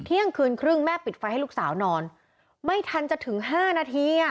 เที่ยงคืนครึ่งแม่ปิดไฟให้ลูกสาวนอนไม่ทันจะถึงห้านาทีอ่ะ